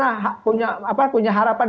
apakah punya harapan